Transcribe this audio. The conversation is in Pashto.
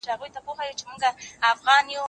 زه به سبا سفر وکړم،